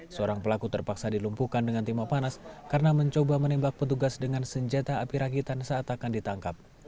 seorang pelaku terpaksa dilumpuhkan dengan timah panas karena mencoba menembak petugas dengan senjata api rakitan saat akan ditangkap